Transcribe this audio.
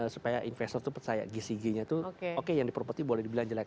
supaya investor itu percaya gcg nya itu oke yang di properti boleh dibilang jelek